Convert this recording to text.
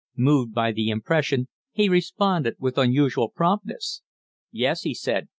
Moved by the impression, he responded with unusual promptness. "Yes," he said.